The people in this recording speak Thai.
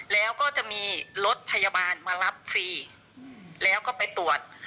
แล้วก็จะมีรถพยาบาลมารับฟรีแล้วก็ไปตรวจ